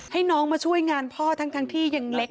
ให้น้องมาช่วยงานพ่อทั้งที่ยังเล็ก